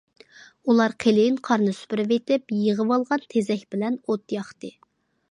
ئۇلار قېلىن قارنى سۈپۈرۈۋېتىپ، يىغىۋالغان تېزەك بىلەن ئوت ياقتى.